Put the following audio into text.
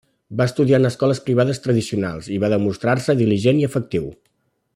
Va estudiar en escoles privades tradicionals i va demostrar-se diligent i efectiu.